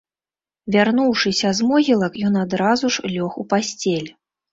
Вярнуўшыся з могілак, ён адразу ж лёг у пасцель.